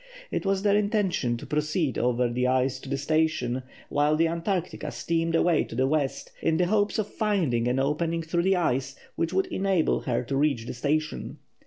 It was their intention to proceed over the ice to the station, while the Antarctica steamed away to the west, in the hopes of finding an opening through the ice which would enable her to reach the station.